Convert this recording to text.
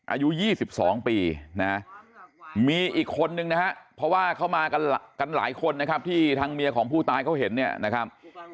อายุ๒๒ปีนะมีอีกคนนึงนะฮะเพราะว่าเขามากันหลายคนนะครับที่ทางเมียของผู้ตายเขาเห็นเนี่ยนะครับ